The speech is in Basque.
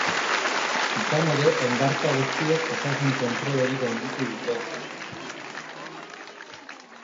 Izan ere, hondartza guztiek osasun kontrol hori gainditu dute.